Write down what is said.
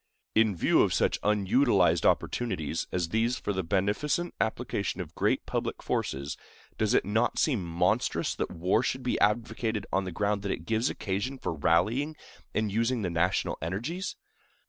In view of such unutilized opportunities as these for the beneficent application of great public forces, does it not seem monstrous that war should be advocated on the ground that it gives occasion for rallying and using the national energies?